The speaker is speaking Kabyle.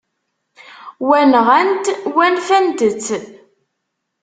Wa, nɣan-t, wa nfant-t.